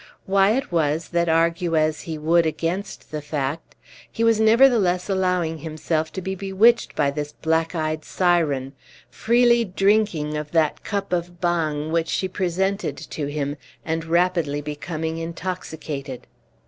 Why it was that, argue as he would against the fact, he was nevertheless allowing himself to be bewitched by this black eyed siren freely drinking of that cup of bang which she presented to him, and rapidly becoming intoxicated.